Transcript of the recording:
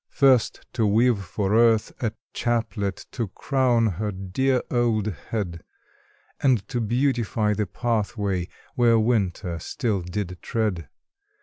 First to weave for Earth a chaplet To crown her dear old head; And to beautify the pathway Where winter still did tread.